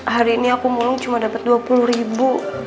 hari ini aku mulai cuma dapet rp dua puluh